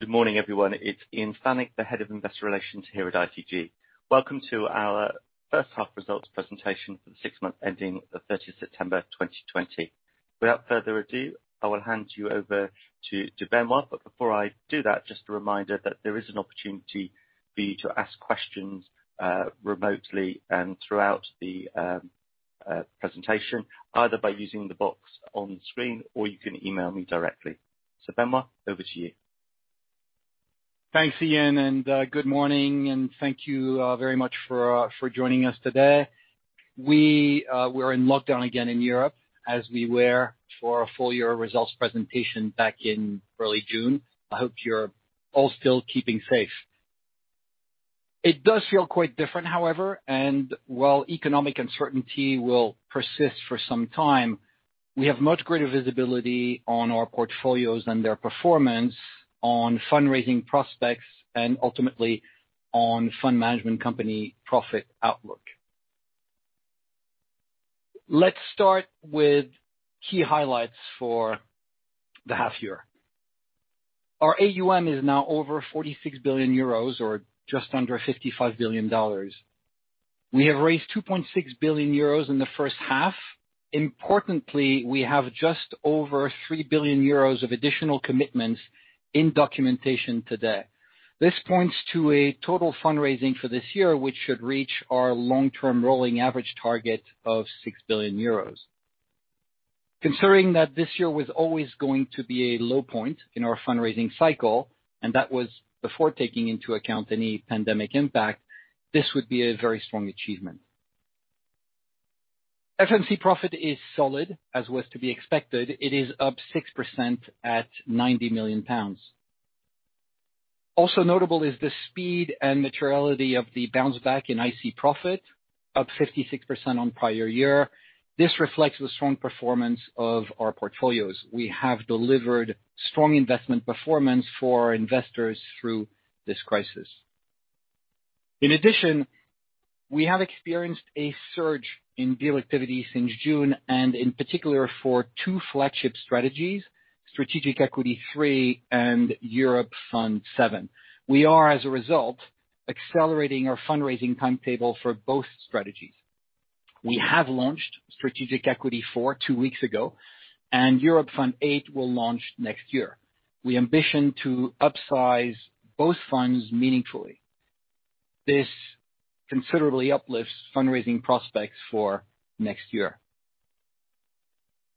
Good morning, everyone. It's Chris Hunt, Head of Investor Relations here at ICG. Welcome to our first half results presentation for the six months ending the 30th September 2020. Without further ado, I will hand you over to Benoît. Before I do that, just a reminder that there is an opportunity for you to ask questions remotely and throughout the presentation, either by using the box on screen or you can email me directly. Benoît, over to you. Thanks, Chris. Good morning, and thank you very much for joining us today. We're in lockdown again in Europe, as we were for our full-year results presentation back in early June. I hope you're all still keeping safe. It does feel quite different, however, and while economic uncertainty will persist for some time, we have much greater visibility on our portfolios and their performance on fundraising prospects and ultimately on fund management company profit outlook. Let's start with key highlights for the half year. Our AUM is now over 46 billion euros or just under $55 billion. We have raised 2.6 billion euros in the first half. Importantly, we have just over 3 billion euros of additional commitments in documentation to date. This points to a total fundraising for this year, which should reach our long-term rolling average target of 6 billion euros. Considering that this year was always going to be a low point in our fundraising cycle, and that was before taking into account any pandemic impact, this would be a very strong achievement. FMC profit is solid, as was to be expected. It is up 6% at 90 million pounds. Also notable is the speed and materiality of the bounce back in IC profit, up 56% on prior year. This reflects the strong performance of our portfolios. We have delivered strong investment performance for investors through this crisis. In addition, we have experienced a surge in deal activity since June and in particular for two flagship strategies, Strategic Equity III and Europe Fund VII. We are, as a result, accelerating our fundraising timetable for both strategies. We have launched Strategic Equity IV two weeks ago, and Europe Fund VIII will launch next year. We ambition to upsize both funds meaningfully. This considerably uplifts fundraising prospects for next year.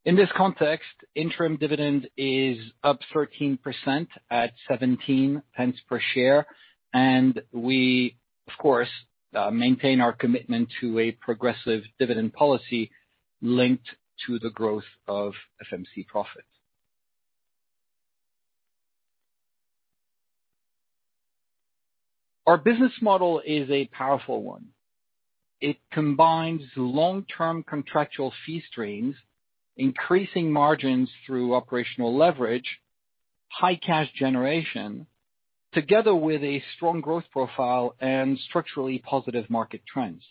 In this context, interim dividend is up 13% at 0.17 per share. We, of course, maintain our commitment to a progressive dividend policy linked to the growth of FMC profit. Our business model is a powerful one. It combines long-term contractual fee streams, increasing margins through operational leverage, high cash generation, together with a strong growth profile and structurally positive market trends.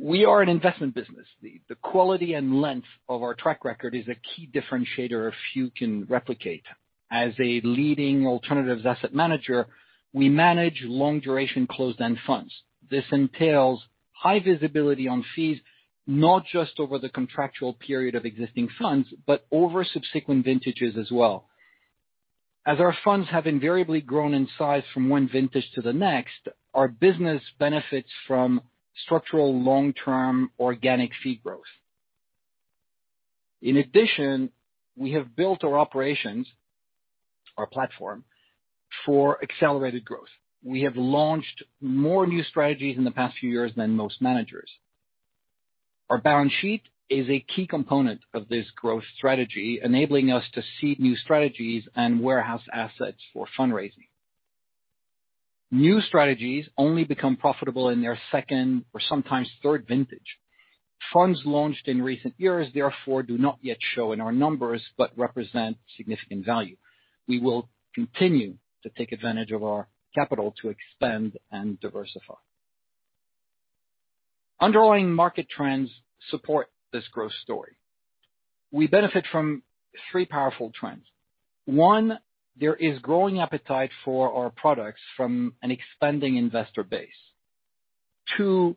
We are an investment business. The quality and length of our track record is a key differentiator a few can replicate. As a leading alternative asset manager, we manage long-duration closed-end funds. This entails high visibility on fees, not just over the contractual period of existing funds, but over subsequent vintages as well. As our funds have invariably grown in size from one vintage to the next, our business benefits from structural long-term organic fee growth. In addition, we have built our operations, our platform, for accelerated growth. We have launched more new strategies in the past few years than most managers. Our balance sheet is a key component of this growth strategy, enabling us to seed new strategies and warehouse assets for fundraising. New strategies only become profitable in their second or sometimes third vintage. Funds launched in recent years, therefore, do not yet show in our numbers, but represent significant value. We will continue to take advantage of our capital to expand and diversify. Underlying market trends support this growth story. We benefit from three powerful trends. One, there is growing appetite for our products from an expanding investor base. Two,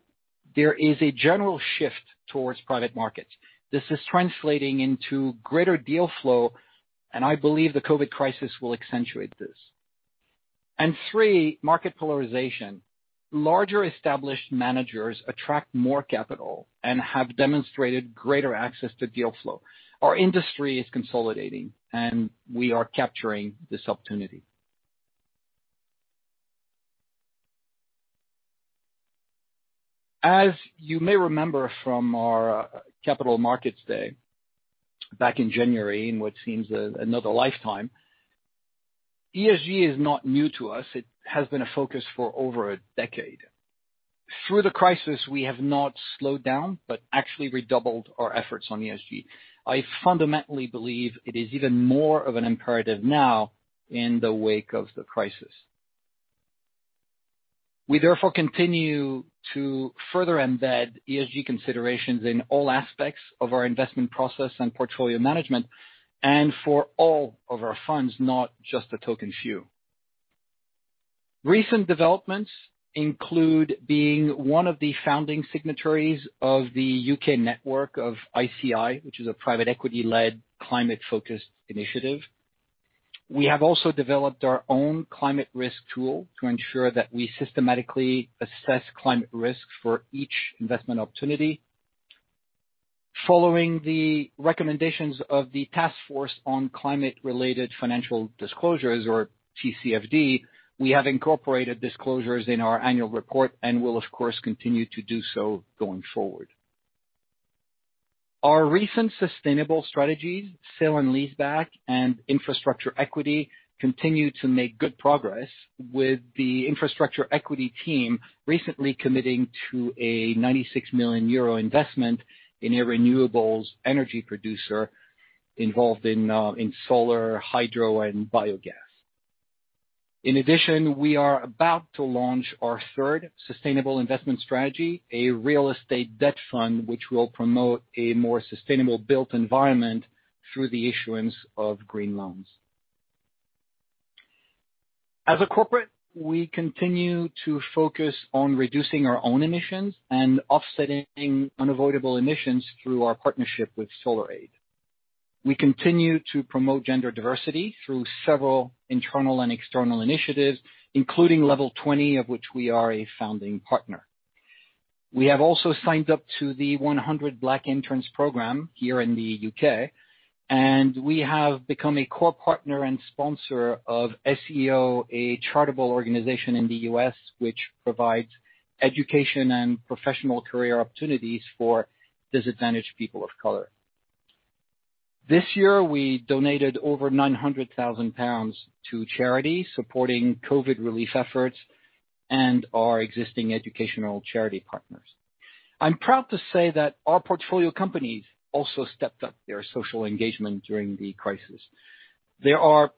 there is a general shift towards private markets. This is translating into greater deal flow, and I believe the COVID crisis will accentuate this. Three, market polarization. Larger established managers attract more capital and have demonstrated greater access to deal flow. Our industry is consolidating, and we are capturing this opportunity. As you may remember from our capital markets day back in January, in what seems another lifetime, ESG is not new to us. It has been a focus for over a decade. Through the crisis, we have not slowed down, but actually redoubled our efforts on ESG. I fundamentally believe it is even more of an imperative now in the wake of the crisis. We therefore continue to further embed ESG considerations in all aspects of our investment process and portfolio management, and for all of our funds, not just a token few. Recent developments include being one of the founding signatories of the U.K. network of iCI, which is a private equity-led climate-focused initiative. We have also developed our own climate risk tool to ensure that we systematically assess climate risk for each investment opportunity. Following the recommendations of the Task Force on Climate-related Financial Disclosures, or TCFD, we have incorporated disclosures in our annual report and will, of course, continue to do so going forward. Our recent sustainable strategies, Sale and Leaseback, and Infrastructure Equity continue to make good progress, with the Infrastructure Equity team recently committing to a 96 million euro investment in a renewables energy producer involved in solar, hydro, and biogas. In addition, we are about to launch our third sustainable investment strategy, a real estate debt fund, which will promote a more sustainable built environment through the issuance of green loans. As a corporate, we continue to focus on reducing our own emissions and offsetting unavoidable emissions through our partnership with SolarAid. We continue to promote gender diversity through several internal and external initiatives, including Level 20, of which we are a founding partner. We have also signed up to the 10,000 Black Interns program here in the U.K., and we have become a core partner and sponsor of SEO, a charitable organization in the U.S. which provides education and professional career opportunities for disadvantaged people of color. This year, we donated over 900,000 pounds to charity, supporting COVID relief efforts and our existing educational charity partners. I'm proud to say that our portfolio companies also stepped up their social engagement during the crisis. There are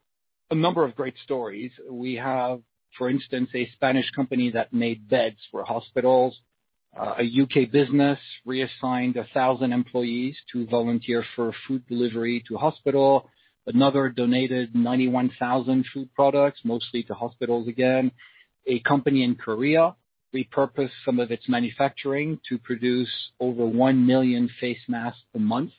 a number of great stories. We have, for instance, a Spanish company that made beds for hospitals. A U.K. business reassigned 1,000 employees to volunteer for food delivery to hospital. Another donated 91,000 food products, mostly to hospitals again. A company in Korea repurposed some of its manufacturing to produce over one million face masks a month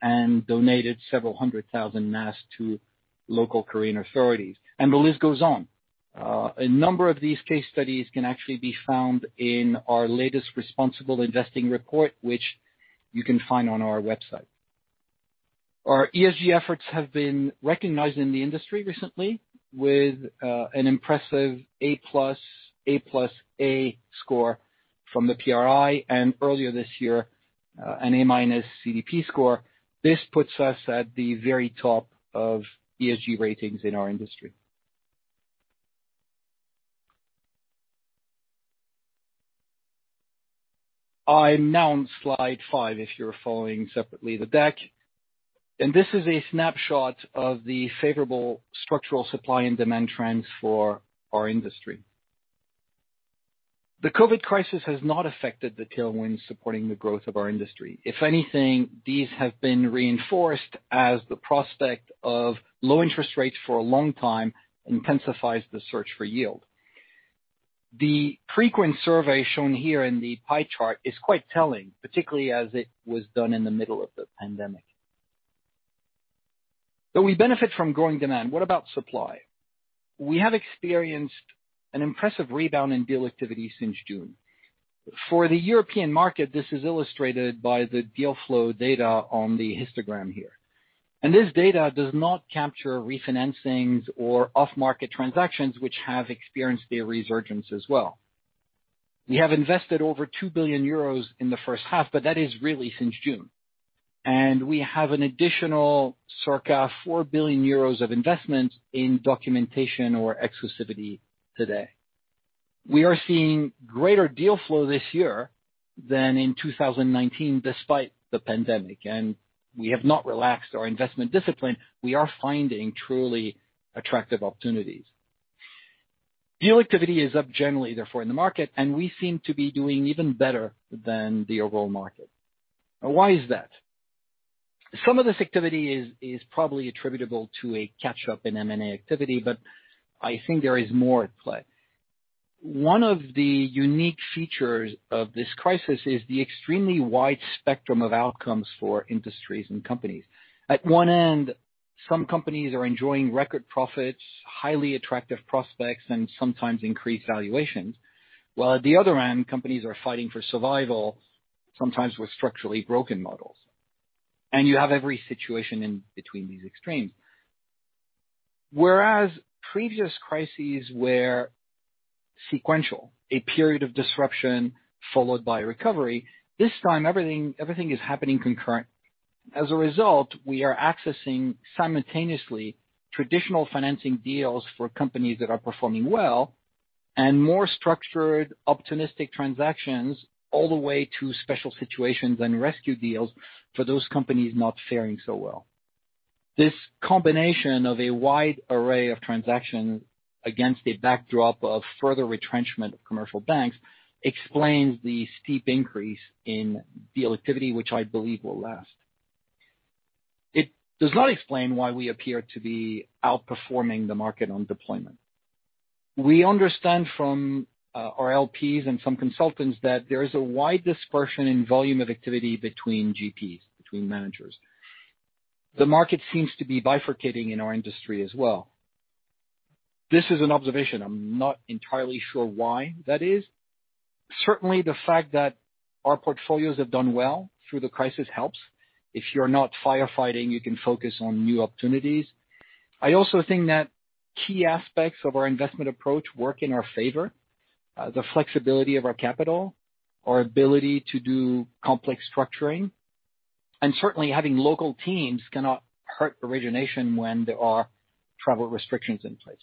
and donated several hundred thousand masks to local Korean authorities. The list goes on. A number of these case studies can actually be found in our latest responsible investing report, which you can find on our website. Our ESG efforts have been recognized in the industry recently with an impressive A plus, A plus, A score from the PRI, and earlier this year, an A-minus CDP score. This puts us at the very top of ESG ratings in our industry. I'm now on slide five if you're following separately the deck. This is a snapshot of the favorable structural supply and demand trends for our industry. The COVID crisis has not affected the tailwinds supporting the growth of our industry. If anything, these have been reinforced as the prospect of low interest rates for a long time intensifies the search for yield. The Preqin survey shown here in the pie chart is quite telling, particularly as it was done in the middle of the pandemic. Though we benefit from growing demand, what about supply? We have experienced an impressive rebound in deal activity since June. For the European market, this is illustrated by the deal flow data on the histogram here. This data does not capture refinancings or off-market transactions which have experienced a resurgence as well. We have invested over 2 billion euros in the first half, that is really since June. We have an additional circa 4 billion euros of investment in documentation or exclusivity today. We are seeing greater deal flow this year than in 2019, despite the pandemic, and we have not relaxed our investment discipline. We are finding truly attractive opportunities. Deal activity is up generally, therefore, in the market, and we seem to be doing even better than the overall market. Now, why is that? Some of this activity is probably attributable to a catch-up in M&A activity, but I think there is more at play. One of the unique features of this crisis is the extremely wide spectrum of outcomes for industries and companies. At one end, some companies are enjoying record profits, highly attractive prospects, and sometimes increased valuations, while at the other end, companies are fighting for survival, sometimes with structurally broken models. You have every situation in between these extremes. Whereas previous crises were sequential, a period of disruption followed by recovery, this time, everything is happening concurrent. As a result, we are accessing simultaneously traditional financing deals for companies that are performing well and more structured, opportunistic transactions all the way to special situations and rescue deals for those companies not faring so well. This combination of a wide array of transactions against a backdrop of further retrenchment of commercial banks explains the steep increase in deal activity, which I believe will last. It does not explain why we appear to be outperforming the market on deployment. We understand from our LPs and some consultants that there is a wide dispersion in volume of activity between GPs, between managers. The market seems to be bifurcating in our industry as well. This is an observation. I'm not entirely sure why that is. Certainly, the fact that our portfolios have done well through the crisis helps. If you're not firefighting, you can focus on new opportunities. I also think that key aspects of our investment approach work in our favor, the flexibility of our capital, our ability to do complex structuring, and certainly having local teams cannot hurt origination when there are travel restrictions in place.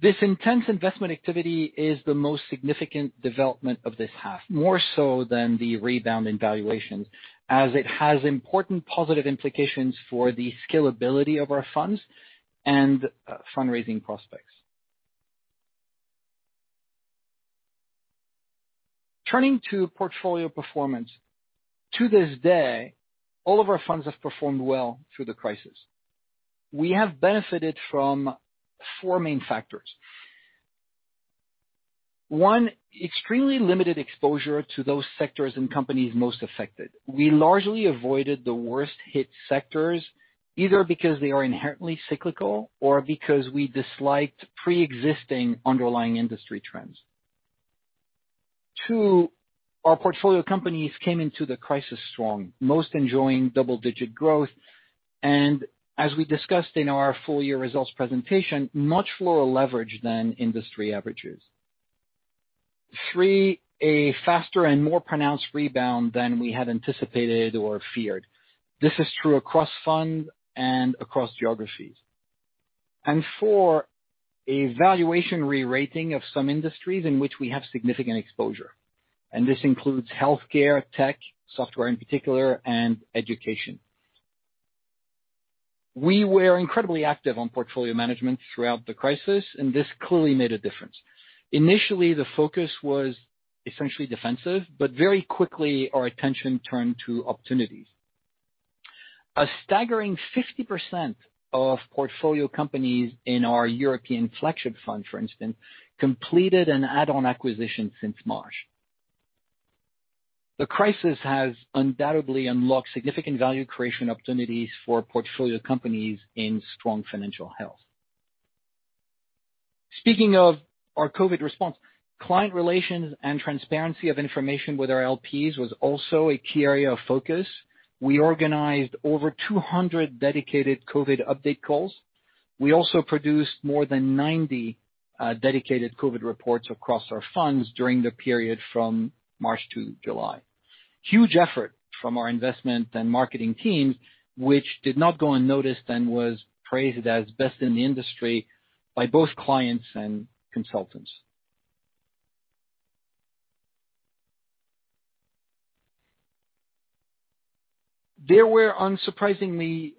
This intense investment activity is the most significant development of this half, more so than the rebound in valuations, as it has important positive implications for the scalability of our funds and fundraising prospects. Turning to portfolio performance. To this day, all of our funds have performed well through the crisis. We have benefited from four main factors. One, extremely limited exposure to those sectors and companies most affected. We largely avoided the worst-hit sectors, either because they are inherently cyclical or because we disliked preexisting underlying industry trends. Two, our portfolio companies came into the crisis strong, most enjoying double-digit growth and, as we discussed in our full-year results presentation, much lower leverage than industry averages. Three, a faster and more pronounced rebound than we had anticipated or feared. This is true across funds and across geographies. Four, a valuation re-rating of some industries in which we have significant exposure, and this includes healthcare, tech, software in particular, and education. We were incredibly active on portfolio management throughout the crisis, and this clearly made a difference. Initially, the focus was essentially defensive, but very quickly our attention turned to opportunities. A staggering 50% of portfolio companies in our ICG Europe Fund VII, for instance, completed an add-on acquisition since March. The crisis has undoubtedly unlocked significant value creation opportunities for portfolio companies in strong financial health. Speaking of our COVID response, client relations and transparency of information with our LPs was also a key area of focus. We organized over 200 dedicated COVID update calls. We also produced more than 90 dedicated COVID reports across our funds during the period from March to July. Huge effort from our investment and marketing teams, which did not go unnoticed and was praised as best in the industry by both clients and consultants. There were unsurprisingly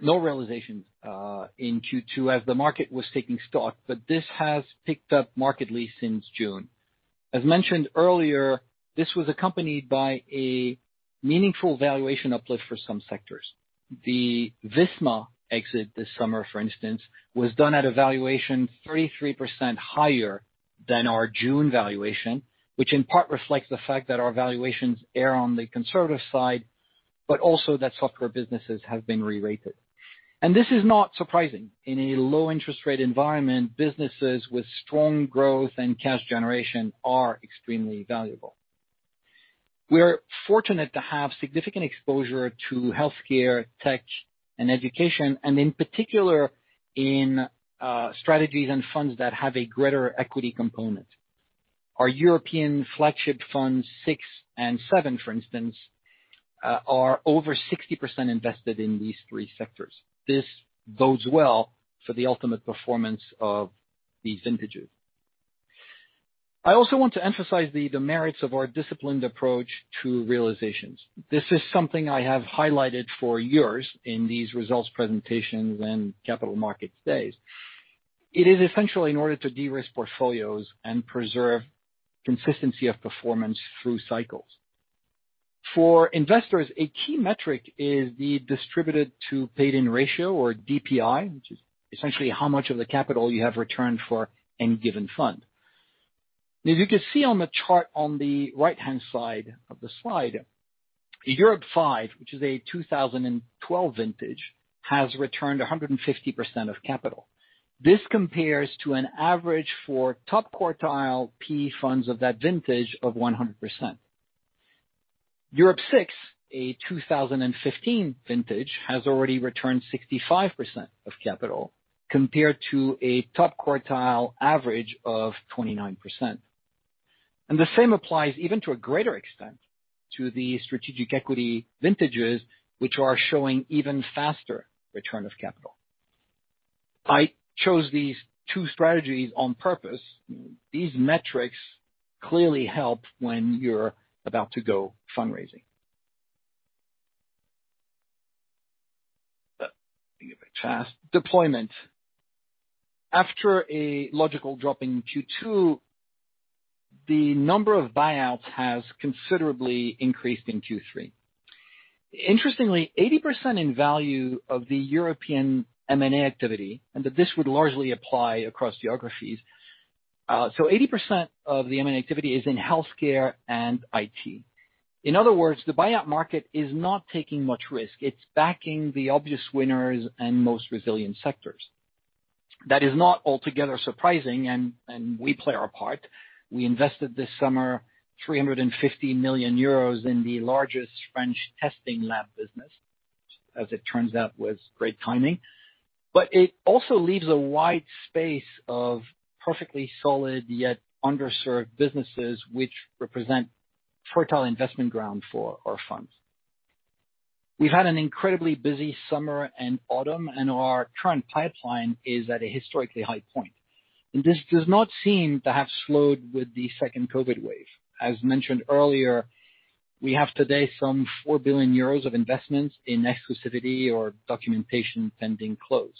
no realizations in Q2 as the market was taking stock, but this has picked up markedly since June. As mentioned earlier, this was accompanied by a meaningful valuation uplift for some sectors. The Visma exit this summer, for instance, was done at a valuation 33% higher than our June valuation, which in part reflects the fact that our valuations err on the conservative side, but also that software businesses have been re-rated. This is not surprising. In a low-interest rate environment, businesses with strong growth and cash generation are extremely valuable. We're fortunate to have significant exposure to healthcare, tech, and education, and in particular in strategies and funds that have a greater equity component. Our Europe Fund six and seven, for instance, are over 60% invested in these three sectors. This bodes well for the ultimate performance of these vintages. I also want to emphasize the merits of our disciplined approach to realizations. This is something I have highlighted for years in these results presentations and capital market days. It is essential in order to de-risk portfolios and preserve consistency of performance through cycles. For investors, a key metric is the distributed to paid-in ratio or DPI, which is essentially how much of the capital you have returned for any given fund. As you can see on the chart on the right-hand side of the slide, Europe Fund V, which is a 2012 vintage, has returned 150% of capital. This compares to an average for top-quartile P funds of that vintage of 100%. Europe Fund VI, a 2015 vintage, has already returned 65% of capital, compared to a top-quartile average of 29%. The same applies even to a greater extent to the Strategic Equity vintages, which are showing even faster return of capital. I chose these two strategies on purpose. These metrics clearly help when you're about to go fundraising. Thinking a bit fast. Deployment. After a logical drop in Q2, the number of buyouts has considerably increased in Q3. Interestingly, 80% in value of the European M&A activity, that this would largely apply across geographies. 80% of the M&A activity is in healthcare and IT. In other words, the buyout market is not taking much risk. It's backing the obvious winners and most resilient sectors. That is not altogether surprising, we play our part. We invested this summer 350 million euros in the largest French testing lab business. As it turns out, it was great timing. It also leaves a wide space of perfectly solid, yet underserved businesses which represent fertile investment ground for our funds. We've had an incredibly busy summer and autumn, our current pipeline is at a historically high point. This does not seem to have slowed with the second COVID wave. As mentioned earlier, we have today some 4 billion euros of investments in exclusivity or documentation pending close.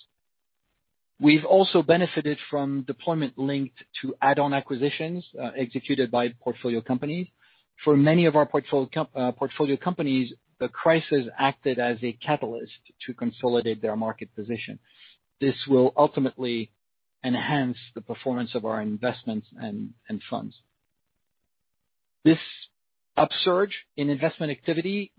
We've also benefited from deployment linked to add-on acquisitions executed by portfolio companies. For many of our portfolio companies, the crisis acted as a catalyst to consolidate their market position. This will ultimately enhance the performance of our investments and funds. This upsurge in investment activity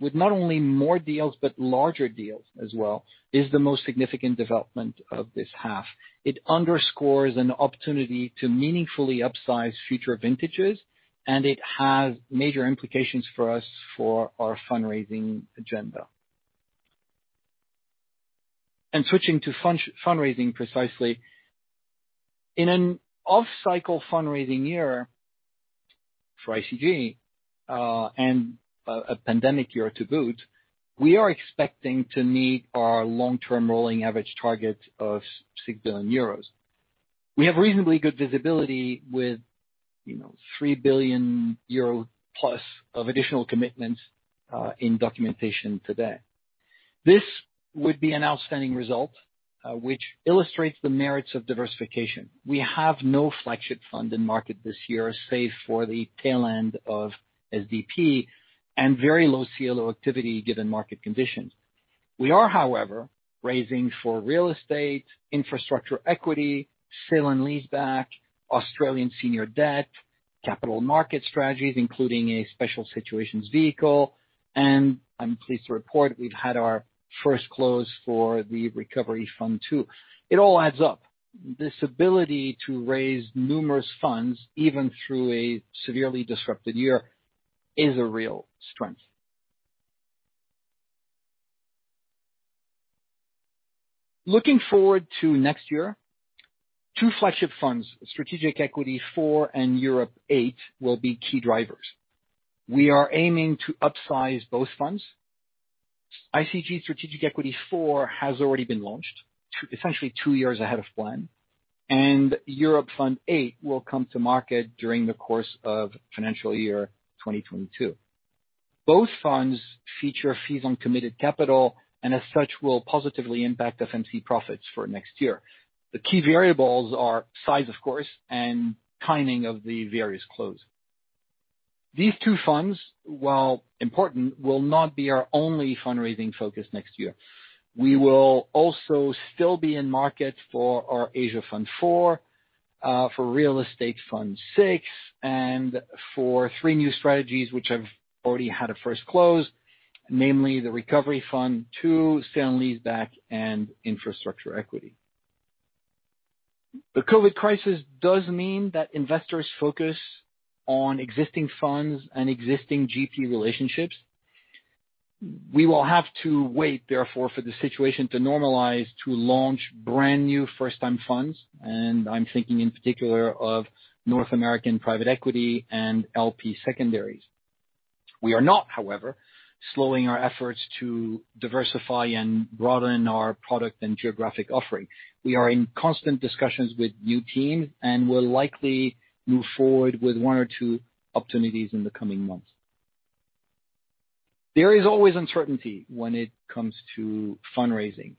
with not only more deals, but larger deals as well, is the most significant development of this half. It underscores an opportunity to meaningfully upsize future vintages, and it has major implications for us for our fundraising agenda. Switching to fundraising precisely. In an off-cycle fundraising year for ICG, and a pandemic year to boot, we are expecting to meet our long-term rolling average target of 6 billion euros. We have reasonably good visibility with 3 billion euro plus of additional commitments in documentation to date. This would be an outstanding result, which illustrates the merits of diversification. We have no flagship fund in market this year, save for the tail end of SDP, and very low CLO activity given market conditions. We are, however, raising for Real Estate, Infrastructure Equity, Sale and Leaseback, Australian Senior Debt, capital market strategies, including a special situations vehicle, and I'm pleased to report we've had our first close for the ICG Recovery Fund II. It all adds up. This ability to raise numerous funds, even through a severely disrupted year, is a real strength. Looking forward to next year, two flagship funds, Strategic Equity IV and Europe Fund VIII, will be key drivers. We are aiming to upsize both funds. Strategic Equity IV has already been launched, essentially two years ahead of plan. Europe Fund VIII will come to market during the course of financial year 2022. Both funds feature fees on committed capital. As such, will positively impact FMC profits for next year. The key variables are size, of course, and timing of the various close. These two funds, while important, will not be our only fundraising focus next year. We will also still be in market for our Asia Pacific Fund IV, for Real Estate Partnership Fund VI, and for three new strategies which have already had a first close, namely the ICG Recovery Fund II, Sale and Leaseback, and Infrastructure Equity. The COVID crisis does mean that investors focus on existing funds and existing GP relationships. We will have to wait, therefore, for the situation to normalize to launch brand-new first-time funds, and I'm thinking in particular of North American private equity and LP Secondaries. We are not, however, slowing our efforts to diversify and broaden our product and geographic offering. We are in constant discussions with new teams and will likely move forward with one or two opportunities in the coming months. There is always uncertainty when it comes to fundraising.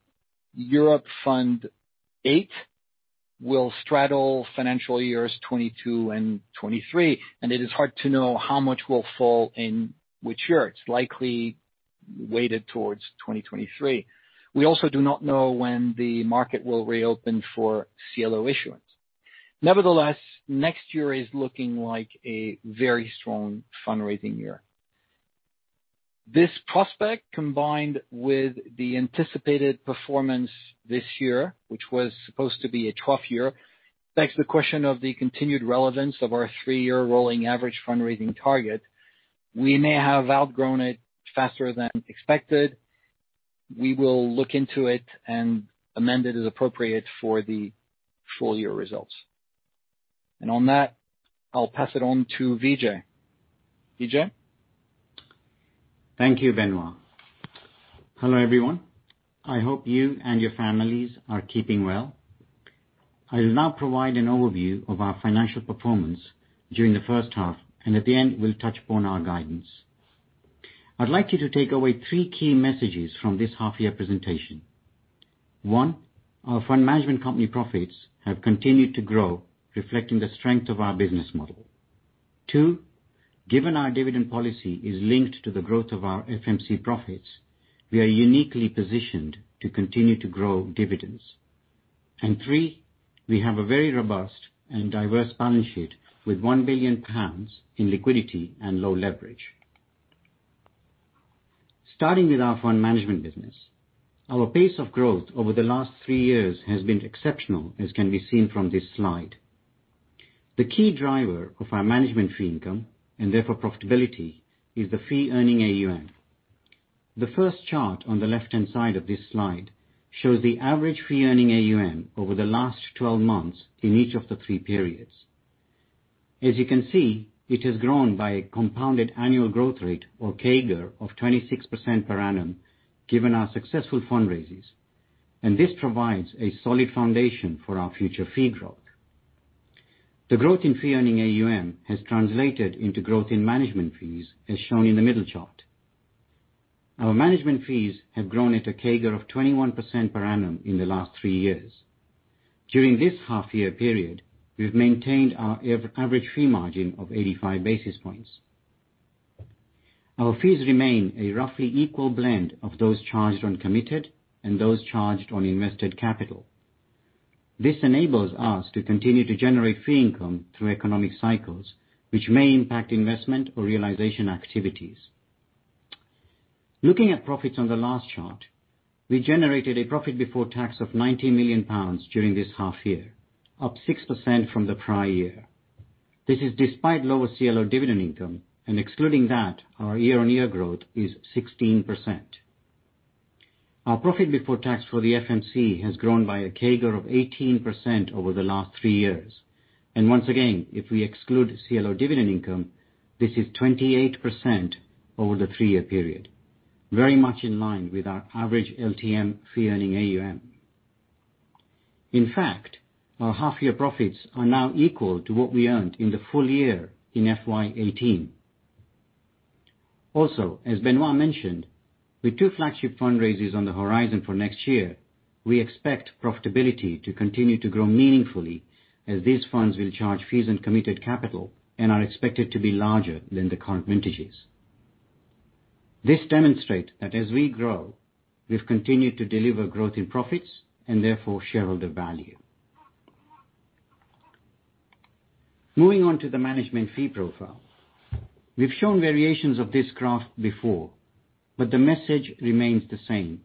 Europe Fund VIII will straddle financial years 2022 and 2023, and it is hard to know how much will fall in which year. It's likely weighted towards 2023. We also do not know when the market will reopen for CLO issuance. Nevertheless, next year is looking like a very strong fundraising year. This prospect, combined with the anticipated performance this year, which was supposed to be a trough year, begs the question of the continued relevance of our three-year rolling average fundraising target. We may have outgrown it faster than expected. We will look into it and amend it as appropriate for the full-year results. On that, I'll pass it on to Vijay. Vijay? Thank you, Benoît. Hello, everyone. I hope you and your families are keeping well. I will now provide an overview of our financial performance during the first half, and at the end, we'll touch upon our guidance. I'd like you to take away three key messages from this half-year presentation. One, our fund management company profits have continued to grow, reflecting the strength of our business model. Two, given our dividend policy is linked to the growth of our FMC profits, we are uniquely positioned to continue to grow dividends. Three, we have a very robust and diverse balance sheet with 1 billion pounds in liquidity and low leverage. Starting with our fund management business, our pace of growth over the last three years has been exceptional, as can be seen from this slide. The key driver of our management fee income, and therefore profitability, is the Fee-earning AUM. The first chart on the left-hand side of this slide shows the average Fee-earning AUM over the last 12 months in each of the three periods. As you can see, it has grown by a compounded annual growth rate or CAGR of 26% per annum, given our successful fundraises. This provides a solid foundation for our future fee growth. The growth in Fee-earning AUM has translated into growth in management fees, as shown in the middle chart. Our management fees have grown at a CAGR of 21% per annum in the last three years. During this half-year period, we've maintained our average fee margin of 85 basis points. Our fees remain a roughly equal blend of those charged on committed and those charged on invested capital. This enables us to continue to generate fee income through economic cycles, which may impact investment or realization activities. Looking at profits on the last chart, we generated a profit before tax of 90 million pounds during this half year, up 6% from the prior year. This is despite lower CLO dividend income, and excluding that, our year-on-year growth is 16%. Our profit before tax for the FMC has grown by a CAGR of 18% over the last three years. Once again, if we exclude CLO dividend income, this is 28% over the three-year period. Very much in line with our average LTM Fee-earning AUM. In fact, our half-year profits are now equal to what we earned in the full year in FY 2018. Also, as Benoît mentioned, with two flagship fundraises on the horizon for next year, we expect profitability to continue to grow meaningfully as these funds will charge fees on committed capital and are expected to be larger than the current vintages. This demonstrates that as we grow, we've continued to deliver growth in profits and therefore shareholder value. Moving on to the management fee profile. We've shown variations of this graph before. The message remains the same.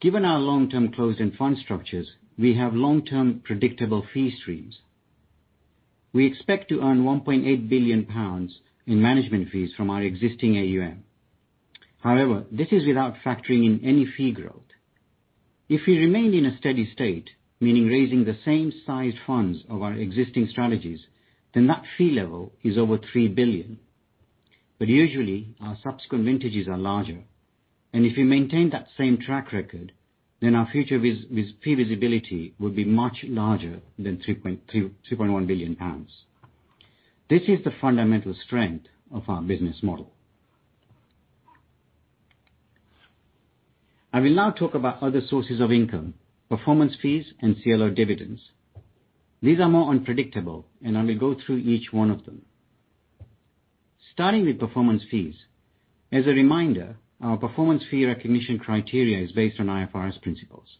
Given our long-term closed-end fund structures, we have long-term predictable fee streams. We expect to earn 1.8 billion pounds in management fees from our existing AUM. This is without factoring in any fee growth. If we remain in a steady state, meaning raising the same size funds of our existing strategies, then that fee level is over 3 billion. Usually, our subsequent vintages are larger, and if we maintain that same track record, then our future fee visibility would be much larger than 3.1 billion pounds. This is the fundamental strength of our business model. I will now talk about other sources of income, performance fees, and CLO dividends. These are more unpredictable. I will go through each one of them. Starting with performance fees, as a reminder, our performance fee recognition criteria is based on IFRS principles.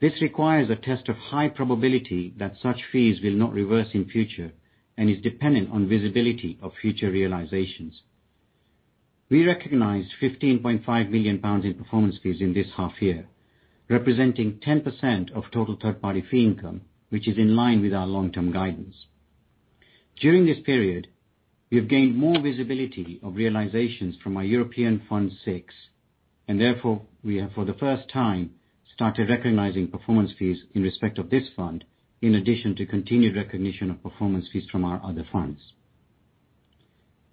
This requires a test of high probability that such fees will not reverse in future and is dependent on visibility of future realizations. We recognized 15.5 million pounds in performance fees in this half year, representing 10% of total third-party fee income, which is in line with our long-term guidance. During this period, we have gained more visibility of realizations from our Europe Fund VI, and therefore, we have, for the first time, started recognizing performance fees in respect of this fund, in addition to continued recognition of performance fees from our other funds.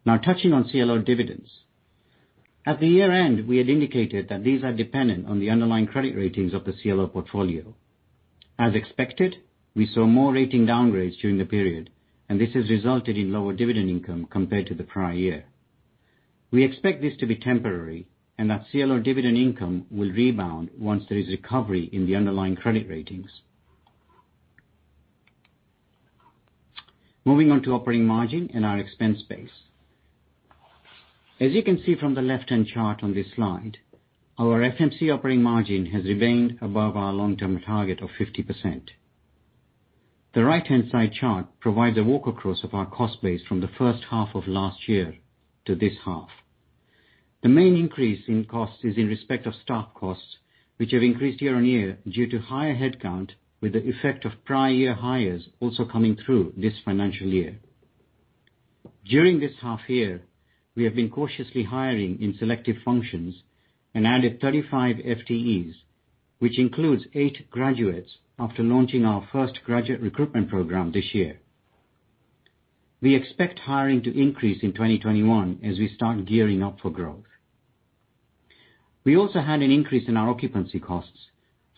Now, touching on CLO dividends. At the year-end, we had indicated that these are dependent on the underlying credit ratings of the CLO portfolio. As expected, we saw more rating downgrades during the period, and this has resulted in lower dividend income compared to the prior year. We expect this to be temporary and that CLO dividend income will rebound once there is recovery in the underlying credit ratings. Moving on to operating margin and our expense base. As you can see from the left-hand chart on this slide, our FMC operating margin has remained above our long-term target of 50%. The right-hand side chart provides a walk across of our cost base from the first half of last year to this half. The main increase in cost is in respect of staff costs, which have increased year-on-year due to higher headcount with the effect of prior year hires also coming through this financial year. During this half year, we have been cautiously hiring in selective functions and added 35 FTEs, which includes eight graduates after launching our first graduate recruitment program this year. We expect hiring to increase in 2021 as we start gearing up for growth. We also had an increase in our occupancy costs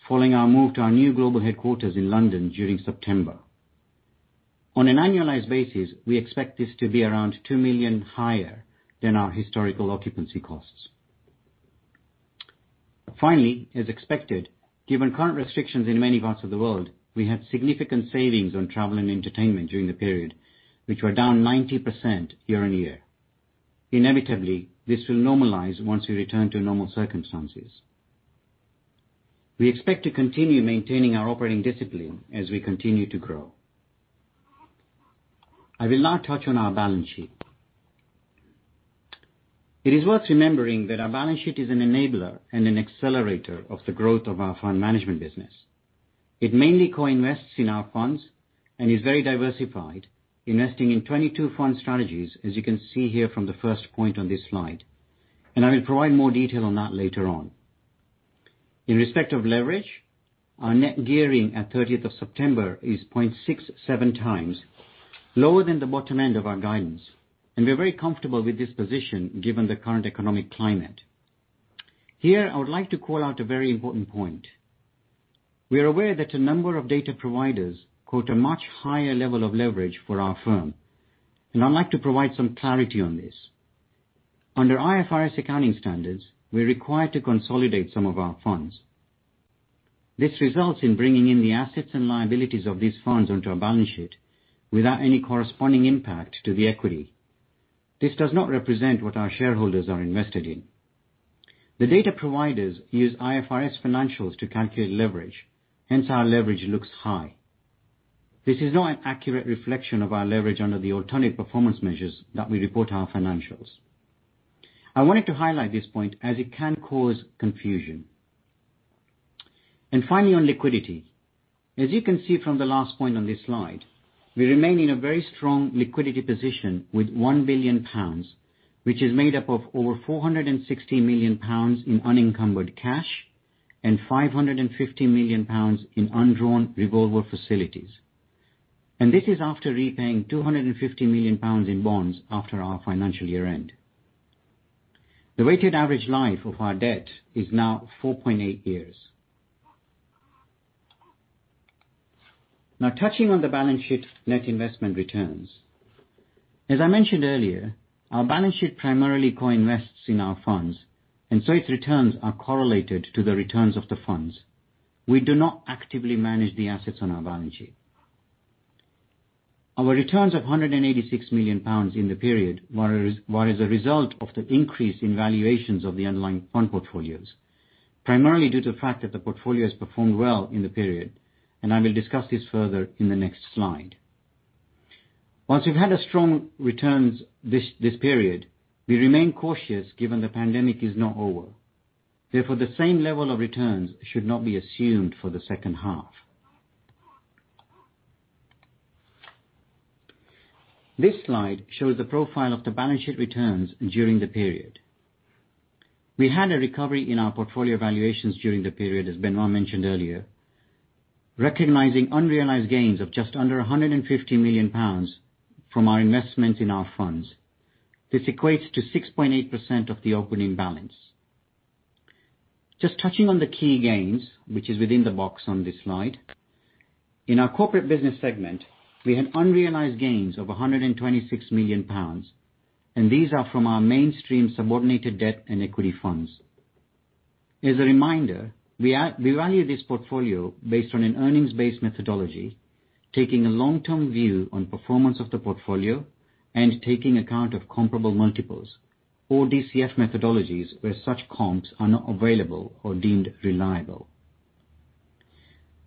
following our move to our new global headquarters in London during September. On an annualized basis, we expect this to be around 2 million higher than our historical occupancy costs. Finally, as expected, given current restrictions in many parts of the world, we had significant savings on travel and entertainment during the period, which were down 90% year-on-year. Inevitably, this will normalize once we return to normal circumstances. We expect to continue maintaining our operating discipline as we continue to grow. I will now touch on our balance sheet. It is worth remembering that our balance sheet is an enabler and an accelerator of the growth of our fund management business. It mainly co-invests in our funds and is very diversified, investing in 22 fund strategies, as you can see here from the first point on this slide, and I will provide more detail on that later on. In respect of leverage, our net gearing at 30th of September is 0.67x, lower than the bottom end of our guidance. We're very comfortable with this position given the current economic climate. Here, I would like to call out a very important point. We are aware that a number of data providers quote a much higher level of leverage for our firm, and I'd like to provide some clarity on this. Under IFRS accounting standards, we're required to consolidate some of our funds. This results in bringing in the assets and liabilities of these funds onto our balance sheet without any corresponding impact to the equity. This does not represent what our shareholders are invested in. The data providers use IFRS financials to calculate leverage, hence our leverage looks high. This is not an accurate reflection of our leverage under the alternate performance measures that we report our financials. I wanted to highlight this point as it can cause confusion. Finally, on liquidity. As you can see from the last point on this slide, we remain in a very strong liquidity position with 1 billion pounds, which is made up of over 460 million pounds in unencumbered cash and 550 million pounds in undrawn revolver facilities. This is after repaying 250 million pounds in bonds after our financial year end. The weighted average life of our debt is now 4.8 years. Touching on the balance sheet net investment returns. As I mentioned earlier, our balance sheet primarily co-invests in our funds, its returns are correlated to the returns of the funds. We do not actively manage the assets on our balance sheet. Our returns of 186 million pounds in the period were as a result of the increase in valuations of the underlying fund portfolios, primarily due to the fact that the portfolio has performed well in the period. I will discuss this further in the next slide. Whilst we've had strong returns this period, we remain cautious given the pandemic is not over. Therefore, the same level of returns should not be assumed for the second half. This slide shows the profile of the balance sheet returns during the period. We had a recovery in our portfolio valuations during the period, as Benoît mentioned earlier, recognizing unrealized gains of just under 150 million pounds from our investment in our funds. This equates to 6.8% of the opening balance. Just touching on the key gains, which is within the box on this slide. In our corporate business segment, we had unrealized gains of 126 million pounds. These are from our mainstream subordinated debt and equity funds. As a reminder, we value this portfolio based on an earnings-based methodology, taking a long-term view on performance of the portfolio and taking account of comparable multiples or DCF methodologies where such comps are not available or deemed reliable.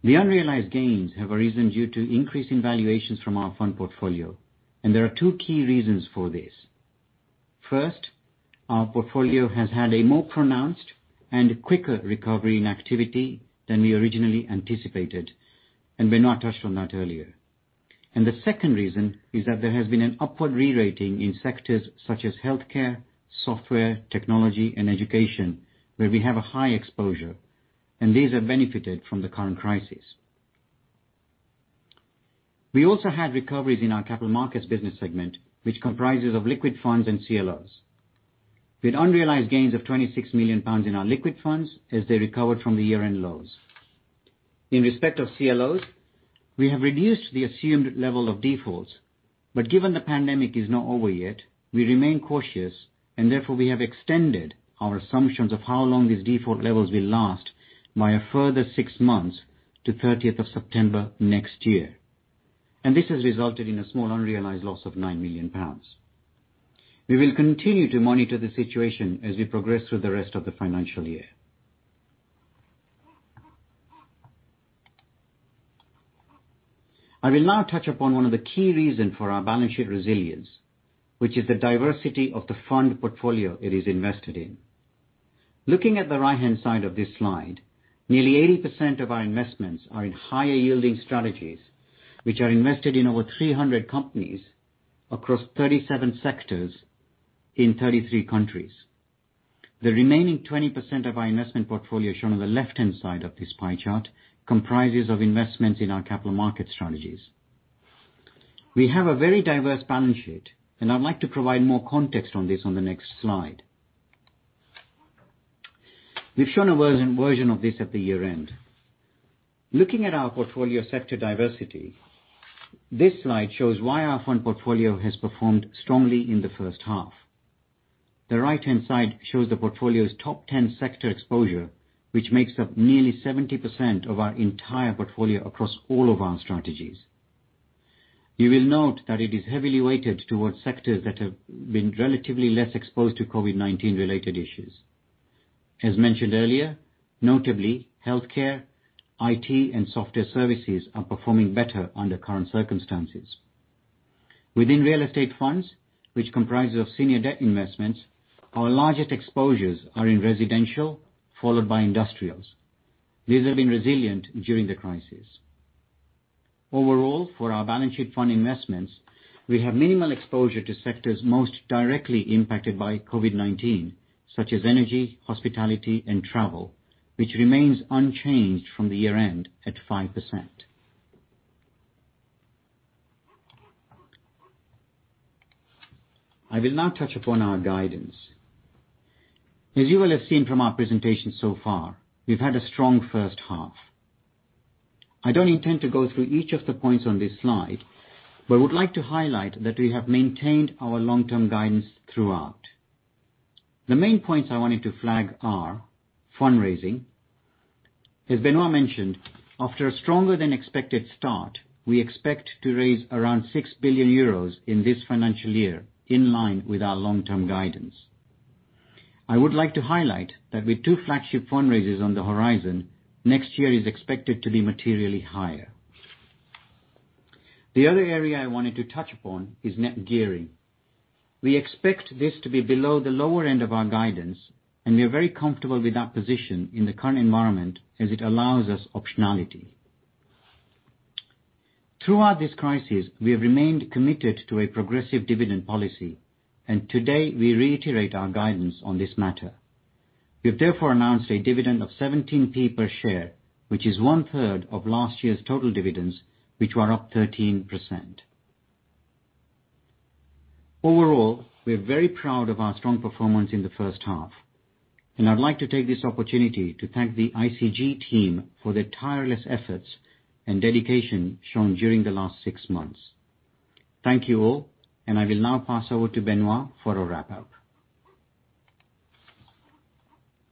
The unrealized gains have arisen due to increasing valuations from our fund portfolio. There are two key reasons for this. First, our portfolio has had a more pronounced and quicker recovery in activity than we originally anticipated. Benoît touched on that earlier. The second reason is that there has been an upward re-rating in sectors such as healthcare, software, technology, and education, where we have a high exposure. These have benefited from the current crisis. We also had recoveries in our capital markets business segment, which comprises of liquid funds and CLOs. We had unrealized gains of 26 million pounds in our liquid funds as they recovered from the year-end lows. In respect of CLOs, we have reduced the assumed level of defaults, but given the pandemic is not over yet, we remain cautious and therefore we have extended our assumptions of how long these default levels will last by a further six months to 30th of September next year. This has resulted in a small unrealized loss of 9 million pounds. We will continue to monitor the situation as we progress through the rest of the financial year. I will now touch upon one of the key reasons for our balance sheet resilience, which is the diversity of the fund portfolio it is invested in. Looking at the right-hand side of this slide, nearly 80% of our investments are in higher-yielding strategies, which are invested in over 300 companies across 37 sectors in 33 countries. The remaining 20% of our investment portfolio, shown on the left-hand side of this pie chart, comprises of investments in our capital market strategies. We have a very diverse balance sheet, and I'd like to provide more context on this on the next slide. We've shown a version of this at the year-end. Looking at our portfolio sector diversity, this slide shows why our fund portfolio has performed strongly in the first half. The right-hand side shows the portfolio's top 10 sector exposure, which makes up nearly 70% of our entire portfolio across all of our strategies. You will note that it is heavily weighted towards sectors that have been relatively less exposed to COVID-19 related issues. As mentioned earlier, notably, healthcare, IT, and software services are performing better under current circumstances. Within real estate funds, which comprises of senior debt investments, our largest exposures are in residential, followed by industrials. These have been resilient during the crisis. Overall, for our balance sheet fund investments, we have minimal exposure to sectors most directly impacted by COVID-19, such as energy, hospitality, and travel, which remains unchanged from the year-end at 5%. I will now touch upon our guidance. As you will have seen from our presentation so far, we've had a strong first half. I don't intend to go through each of the points on this slide, but I would like to highlight that we have maintained our long-term guidance throughout. The main points I wanted to flag are fundraising. As Benoît mentioned, after a stronger than expected start, we expect to raise around 6 billion euros in this financial year, in line with our long-term guidance. I would like to highlight that with two flagship fundraisers on the horizon, next year is expected to be materially higher. The other area I wanted to touch upon is net gearing. We expect this to be below the lower end of our guidance, and we are very comfortable with that position in the current environment, as it allows us optionality. Throughout this crisis, we have remained committed to a progressive dividend policy, and today we reiterate our guidance on this matter. We have therefore announced a dividend of 0.17 per share, which is one-third of last year's total dividends, which were up 13%. Overall, we're very proud of our strong performance in the first half, and I'd like to take this opportunity to thank the ICG team for their tireless efforts and dedication shown during the last six months. Thank you all, and I will now pass over to Benoît for a wrap-up.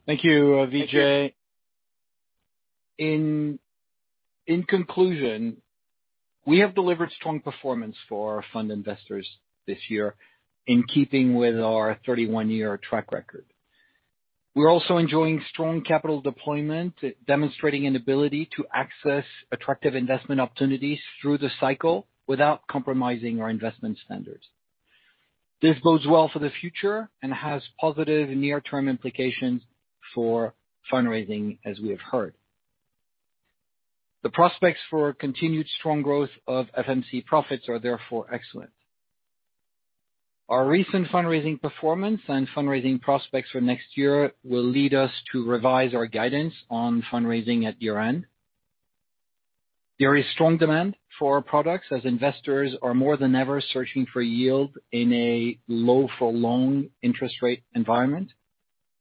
Thank you, Vijay. In conclusion, we have delivered strong performance for our fund investors this year in keeping with our 31-year track record. We're also enjoying strong capital deployment, demonstrating an ability to access attractive investment opportunities through the cycle without compromising our investment standards. This bodes well for the future and has positive near-term implications for fundraising, as we have heard. The prospects for continued strong growth of FMC profits are therefore excellent. Our recent fundraising performance and fundraising prospects for next year will lead us to revise our guidance on fundraising at year-end. There is strong demand for our products as investors are more than ever searching for yield in a low for long interest rate environment.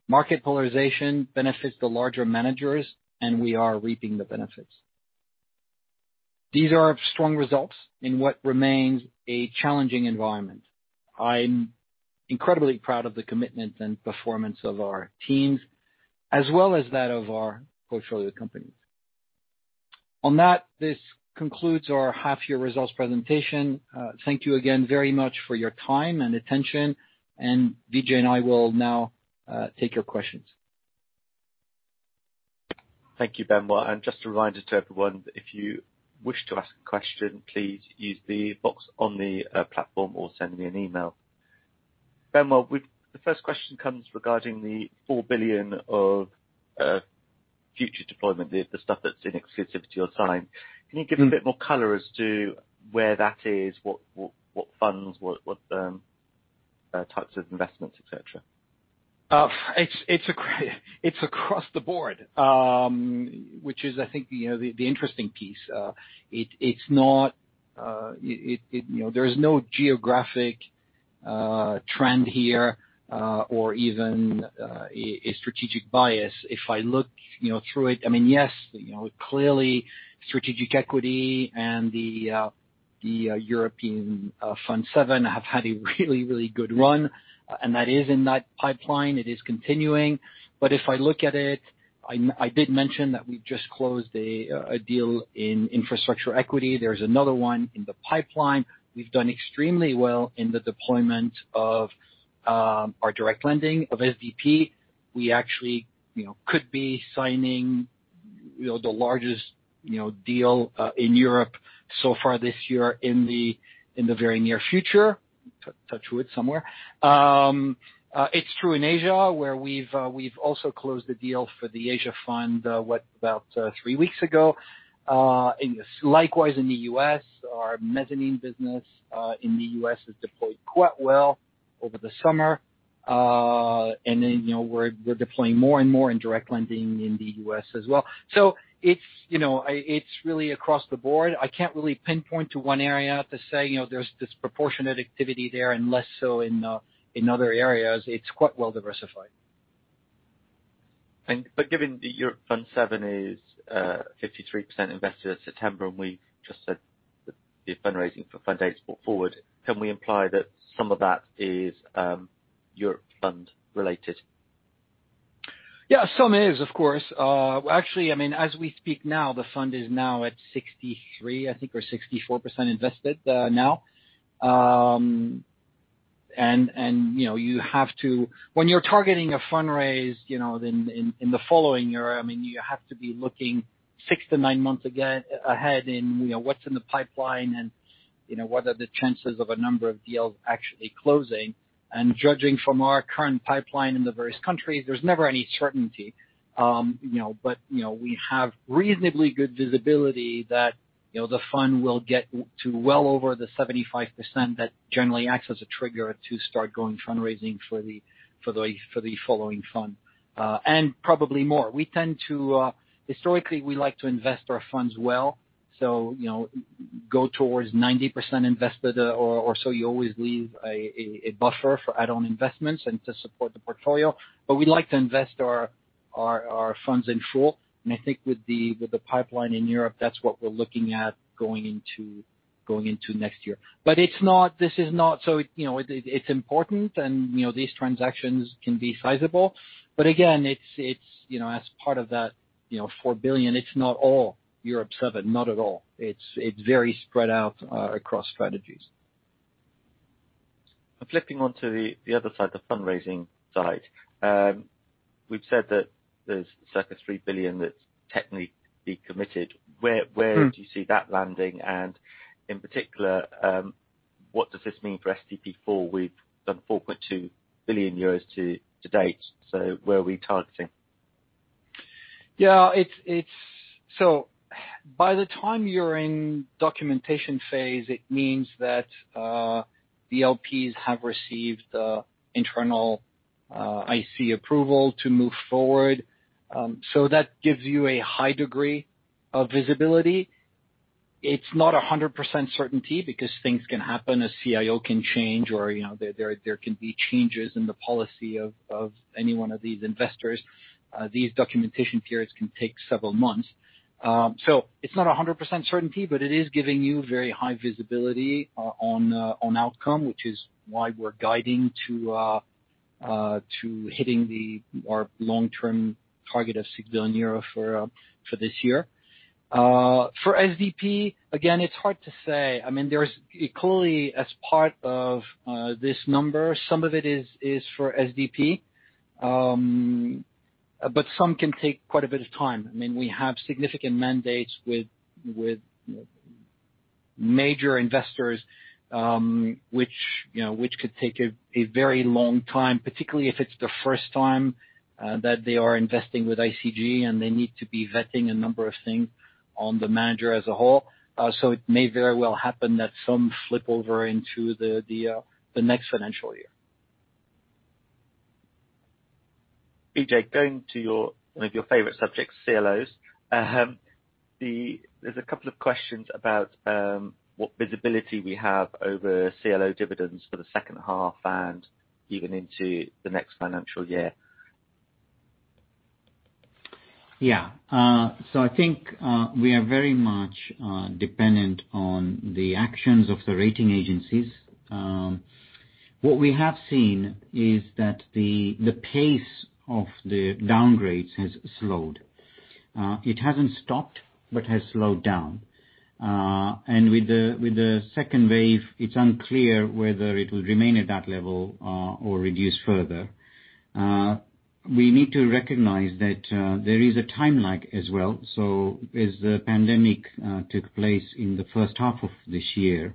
Market polarization benefits the larger managers, and we are reaping the benefits. These are strong results in what remains a challenging environment. I'm incredibly proud of the commitment and performance of our teams, as well as that of our portfolio companies. This concludes our half-year results presentation. Thank you again very much for your time and attention. Vijay and I will now take your questions. Thank you, Benoît. Just a reminder to everyone, if you wish to ask a question, please use the box on the platform or send me an email. Benoît, the first question comes regarding the 4 billion of future deployment, the stuff that's in exclusivity or signed. Can you give a bit more color as to where that is, what funds, what types of investments, et cetera? It's across the board, which is, I think, the interesting piece. There is no geographic trend here, or even a strategic bias. I look through it, yes, clearly, Strategic Equity and the Europe Fund VII have had a really, really good run, and that is in that pipeline. It is continuing. I look at it, I did mention that we just closed a deal in Infrastructure Equity. There's another one in the pipeline. We've done extremely well in the deployment of our direct lending of SDP. We actually could be signing the largest deal in Europe so far this year in the very near future. Touch wood somewhere. It's true in Asia, where we've also closed the deal for the Asia Fund, what, about three weeks ago. Likewise, in the U.S., our mezzanine business in the U.S. has deployed quite well over the summer. We're deploying more and more in direct lending in the U.S. as well. It's really across the board. I can't really pinpoint to one area to say, there's disproportionate activity there and less so in other areas. It's quite well-diversified. Given that your Fund VII is 53% invested as of September, and we just said the fundraising for Fund VIII is brought forward, can we imply that some of that is Europe Fund related? Yeah, some is, of course. Actually, as we speak now, the fund is now at 63%, I think, or 64% invested now. When you're targeting a fundraise in the following year, you have to be looking six to nine months ahead in what's in the pipeline and what are the chances of a number of deals actually closing. Judging from our current pipeline in the various countries, there's never any certainty. We have reasonably good visibility that the fund will get to well over the 75% that generally acts as a trigger to start going fundraising for the following fund. Probably more. Historically, we like to invest our funds well, so go towards 90% invested or so. You always leave a buffer for add-on investments and to support the portfolio. We like to invest our funds in full. I think with the pipeline in Europe, that's what we're looking at going into next year. It's important, and these transactions can be sizable. Again, as part of that 4 billion, it's not all Europe VII. Not at all. It's very spread out across strategies. Flipping onto the other side, the fundraising side. We've said that there's circa 3 billion that's technically committed. Where do you see that landing? In particular, what does this mean for SDP IV? We've done 4.2 billion euros to date. Where are we targeting? By the time you're in documentation phase, it means that the LPs have received the internal IC approval to move forward. That gives you a high degree of visibility. It's not 100% certainty because things can happen. A CIO can change, or there can be changes in the policy of any one of these investors. These documentation periods can take several months. It's not 100% certainty, but it is giving you very high visibility on outcome, which is why we're guiding to hitting our long-term target of 6 billion euro for this year. For SDP, again, it's hard to say. Clearly, as part of this number, some of it is for SDP, but some can take quite a bit of time. We have significant mandates with major investors, which could take a very long time, particularly if it's the first time that they are investing with ICG and they need to be vetting a number of things on the manager as a whole. It may very well happen that some flip over into the next financial year. Vijay, going to one of your favorite subjects, CLOs. There's a couple of questions about what visibility we have over CLO dividends for the second half and even into the next financial year. I think we are very much dependent on the actions of the rating agencies. What we have seen is that the pace of the downgrades has slowed. It hasn't stopped, but has slowed down. With the second wave, it's unclear whether it will remain at that level or reduce further. We need to recognize that there is a time lag as well. As the pandemic took place in the first half of this year,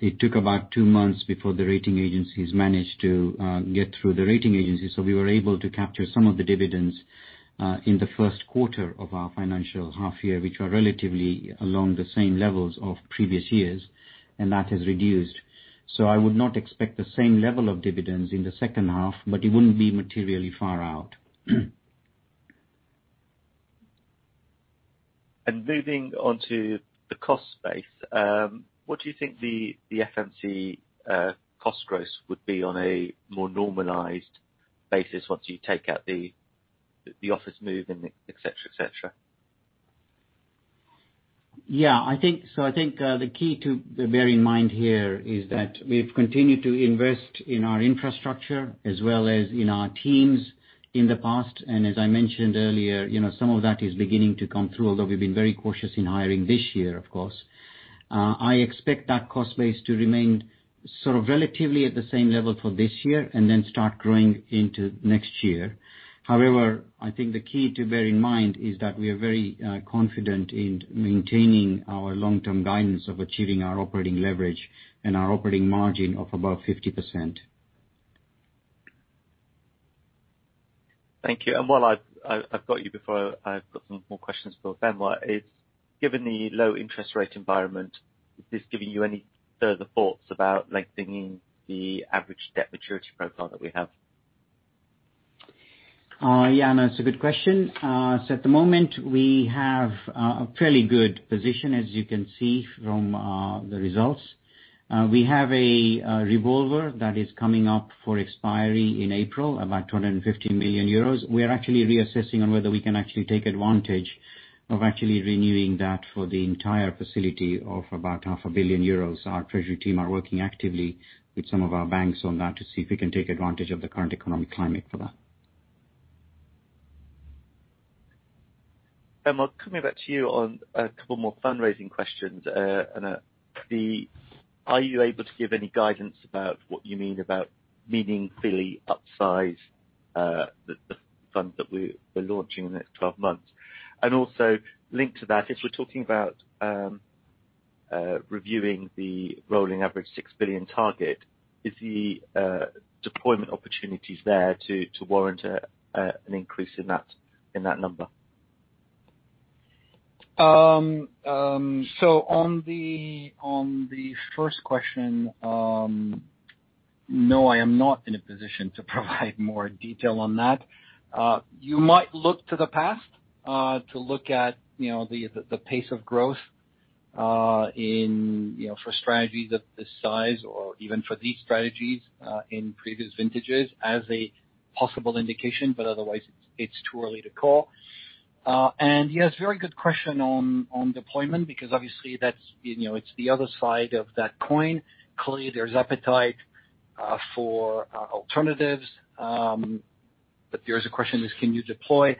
it took about two months before the rating agencies managed to get through the rating agencies. We were able to capture some of the dividends in the first quarter of our financial half year, which were relatively along the same levels of previous years, and that has reduced. I would not expect the same level of dividends in the second half, but it wouldn't be materially far out. Moving on to the cost base. What do you think the FMC cost growth would be on a more normalized basis once you take out the office move and et cetera? I think the key to bear in mind here is that we've continued to invest in our infrastructure as well as in our teams in the past. As I mentioned earlier, some of that is beginning to come through, although we've been very cautious in hiring this year, of course. I expect that cost base to remain sort of relatively at the same level for this year and then start growing into next year. However, I think the key to bear in mind is that we are very confident in maintaining our long-term guidance of achieving our operating leverage and our operating margin of above 50%. Thank you. While I've got you, I've got some more questions for Benoît. Given the low interest rate environment, is this giving you any further thoughts about lengthening the average debt maturity profile that we have? Yeah, no, it's a good question. At the moment, we have a fairly good position, as you can see from the results. We have a revolver that is coming up for expiry in April, about 250 million euros. We are actually reassessing on whether we can actually take advantage of actually renewing that for the entire facility of about half a billion euros. Our treasury team are working actively with some of our banks on that to see if we can take advantage of the current economic climate for that. Benoît, coming back to you on a couple more fundraising questions. Are you able to give any guidance about what you mean about meaningfully upsize the funds that we're launching in the next 12 months? Also linked to that, if we're talking about reviewing the rolling average 6 billion target, is the deployment opportunities there to warrant an increase in that number? On the first question, no, I am not in a position to provide more detail on that. You might look to the past to look at the pace of growth for strategies of this size or even for these strategies in previous vintages as a possible indication, but otherwise it is too early to call. Yes, very good question on deployment, because obviously it is the other side of that coin. Clearly, there is appetite for alternatives, but there is a question is can you deploy?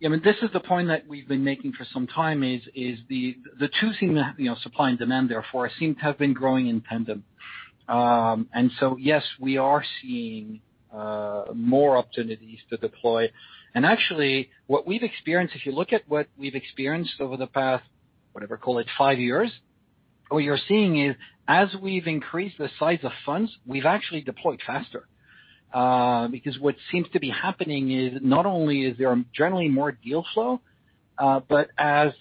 This is the point that we have been making for some time is the two things, supply and demand therefore, seem to have been growing in tandem. Yes, we are seeing more opportunities to deploy. Actually, if you look at what we've experienced over the past, whatever, call it five years, what you're seeing is as we've increased the size of funds, we've actually deployed faster. What seems to be happening is not only is there generally more deal flow, but as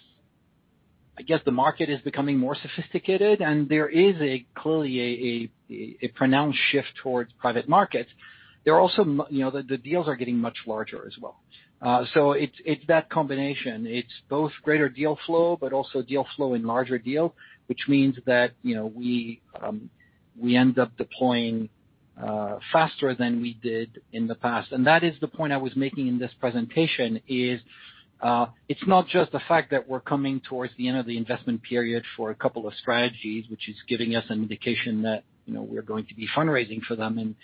the market is becoming more sophisticated and there is clearly a pronounced shift towards private markets, the deals are getting much larger as well. It's that combination. It's both greater deal flow, but also deal flow in larger deal, which means that we end up deploying faster than we did in the past. That is the point I was making in this presentation is it is not just the fact that we are coming towards the end of the investment period for a couple of strategies, which is giving us an indication that we are going to be fundraising for them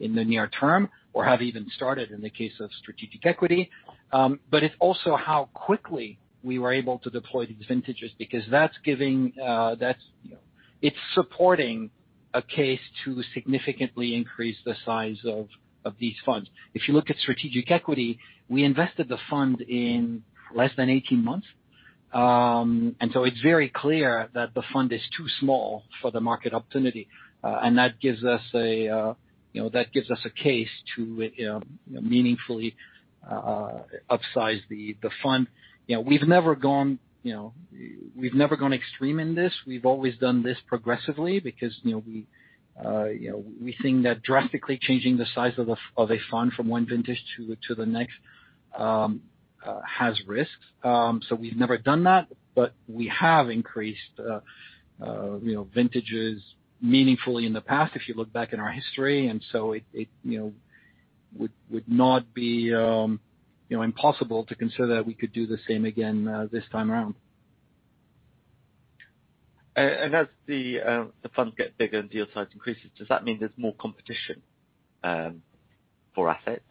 in the near term, or have even started in the case of Strategic Equity, but it is also how quickly we were able to deploy these vintages because it is supporting a case to significantly increase the size of these funds. If you look at Strategic Equity, we invested the fund in less than 18 months. It is very clear that the fund is too small for the market opportunity, and that gives us a case to meaningfully upsize the fund. We have never gone extreme in this. We've always done this progressively because we think that drastically changing the size of a fund from one vintage to the next has risks. We've never done that, but we have increased vintages meaningfully in the past, if you look back in our history, it would not be impossible to consider that we could do the same again this time around. As the funds get bigger and deal size increases, does that mean there's more competition for assets?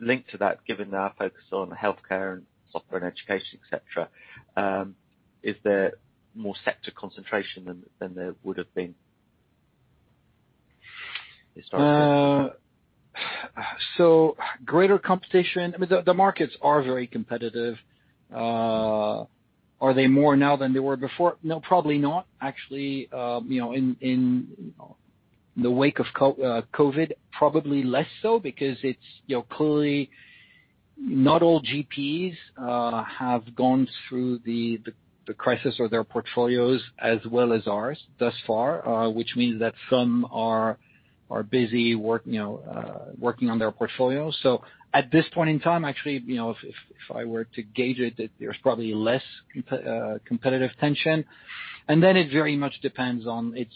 Linked to that, given our focus on healthcare and software and education, et cetera, is there more sector concentration than there would have been historically? Greater competition. I mean, the markets are very competitive. Are they more now than they were before? No, probably not. Actually in the wake of COVID, probably less so because it is clearly not all GPs have gone through the crisis or their portfolios as well as ours thus far, which means that some are busy working on their portfolios. At this point in time, actually, if I were to gauge it, there is probably less competitive tension. It is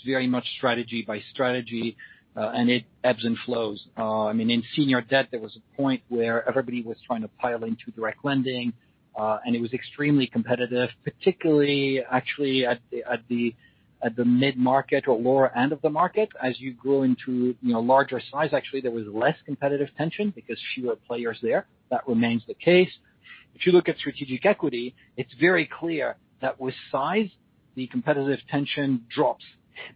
very much strategy by strategy, and it ebbs and flows. In senior debt, there was a point where everybody was trying to pile into direct lending, and it was extremely competitive, particularly actually at the mid-market or lower end of the market. As you grow into larger size, actually, there was less competitive tension because fewer players there. That remains the case. If you look at strategic equity, it's very clear that with size, the competitive tension drops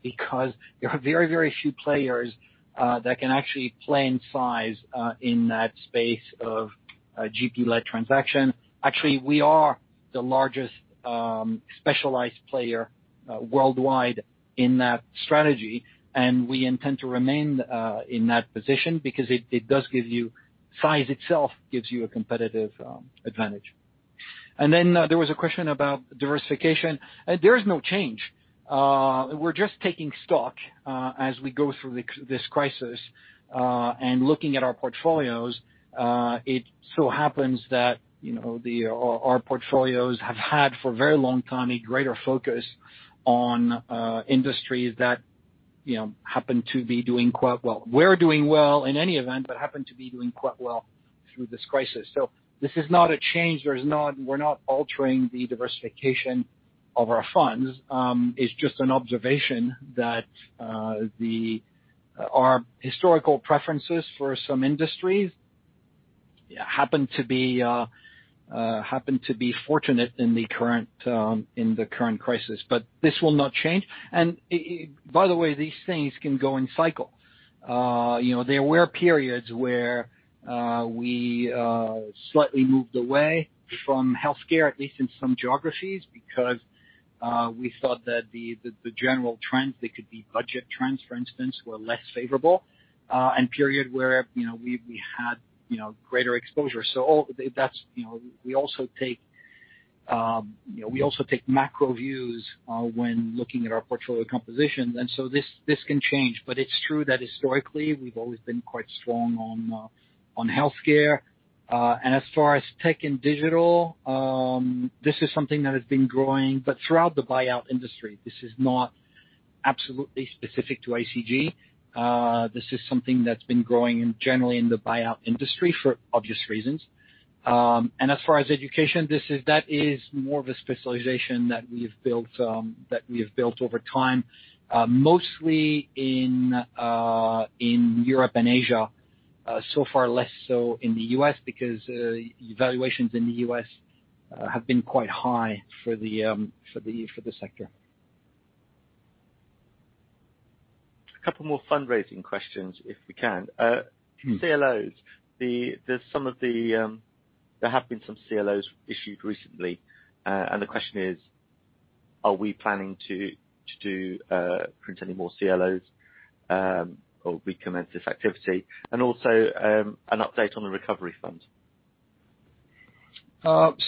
because there are very, very few players that can actually play in size in that space of GP-led transaction. Actually, we are the largest specialized player worldwide in that strategy, and we intend to remain in that position because size itself gives you a competitive advantage. There was a question about diversification. There is no change. We're just taking stock as we go through this crisis. Looking at our portfolios, it so happens that our portfolios have had, for a very long time, a greater focus on industries that happen to be doing quite well. Our portfolios were doing well in any event, but happen to be doing quite well through this crisis. This is not a change. We're not altering the diversification of our funds. It's just an observation that our historical preferences for some industries happen to be fortunate in the current crisis. This will not change. By the way, these things can go in cycle. There were periods where we slightly moved away from healthcare, at least in some geographies, because we thought that the general trends, they could be budget trends, for instance, were less favorable, and period where we had greater exposure. We also take macro views when looking at our portfolio composition. This can change. It's true that historically we've always been quite strong on healthcare. As far as tech and digital, this is something that has been growing, but throughout the buyout industry. This is not absolutely specific to ICG. This is something that's been growing generally in the buyout industry for obvious reasons. As far as education, that is more of a specialization that we have built over time, mostly in Europe and Asia. Far less so in the U.S. because valuations in the U.S. have been quite high for the sector. A couple more fundraising questions if we can. CLOs. There have been some CLOs issued recently, the question is, are we planning to do print any more CLOs, or recommence this activity? Also, an update on the Recovery Funds.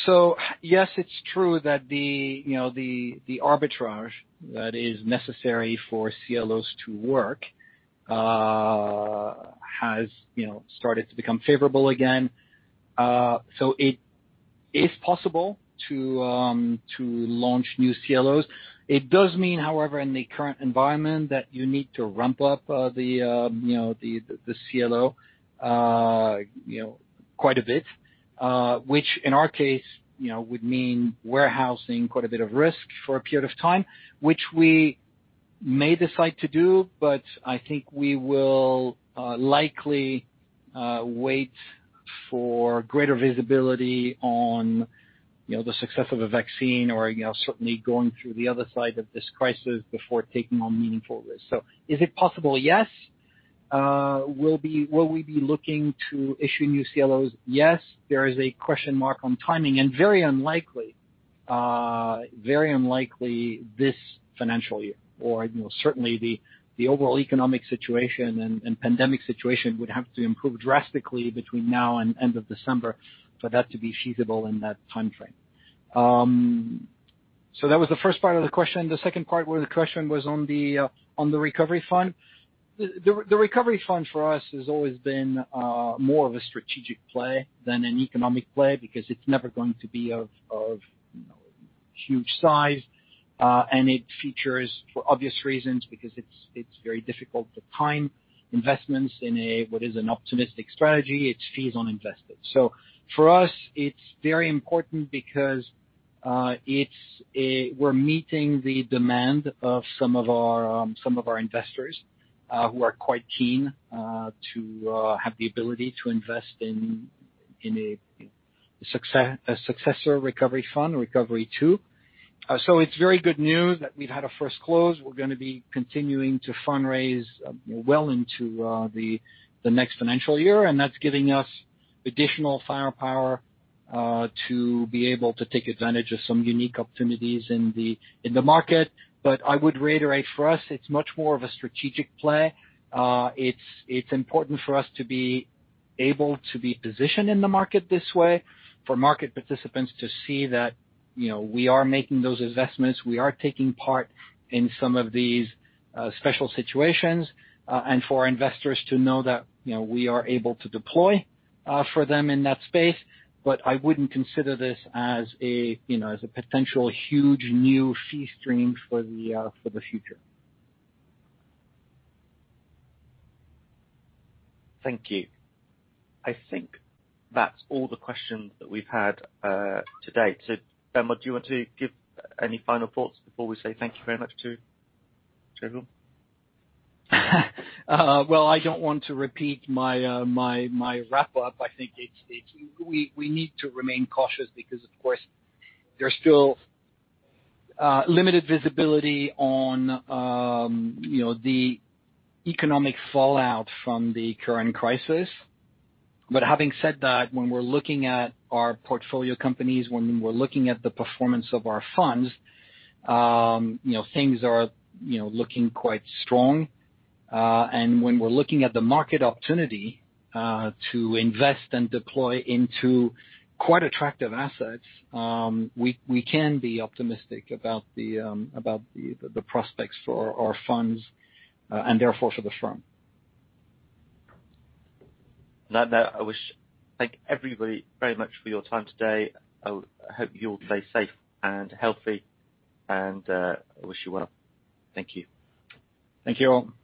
Yes, it's true that the arbitrage that is necessary for CLOs to work has started to become favorable again. It is possible to launch new CLOs. It does mean, however, in the current environment that you need to ramp up the CLO quite a bit. Which in our case would mean warehousing quite a bit of risk for a period of time, which we may decide to do. I think we will likely wait for greater visibility on the success of a vaccine or certainly going through the other side of this crisis before taking on meaningful risk. Is it possible? Yes. Will we be looking to issue new CLOs? Yes. There is a question mark on timing and very unlikely this financial year or certainly the overall economic situation and pandemic situation would have to improve drastically between now and end of December for that to be feasible in that timeframe. That was the first part of the question. The second part of the question was on the recovery fund. The recovery fund for us has always been more of a strategic play than an economic play because it's never going to be of huge size. It features for obvious reasons because it's very difficult to time investments in what is an opportunistic strategy. It fees on invested. For us, it's very important because we're meeting the demand of some of our investors who are quite keen to have the ability to invest in a successor recovery fund, ICG Recovery Fund II. It's very good news that we've had a first close. We're going to be continuing to fundraise well into the next financial year, and that's giving us additional firepower to be able to take advantage of some unique opportunities in the market. I would reiterate, for us, it's much more of a strategic play. It's important for us to be able to be positioned in the market this way for market participants to see that we are making those investments, we are taking part in some of these special situations. For investors to know that we are able to deploy for them in that space. I wouldn't consider this as a potential huge new fee stream for the future. Thank you. I think that's all the questions that we've had today. Benoît, do you want to give any final thoughts before we say thank you very much to everyone? Well, I don't want to repeat my wrap up. I think we need to remain cautious because, of course, there's still limited visibility on the economic fallout from the current crisis. Having said that, when we're looking at our portfolio companies, when we're looking at the performance of our funds, things are looking quite strong. When we're looking at the market opportunity to invest and deploy into quite attractive assets, we can be opportunistic about the prospects for our funds, and therefore for the firm. On that, I thank everybody very much for your time today. I hope you all stay safe and healthy, and I wish you well. Thank you. Thank you all. Thank you all.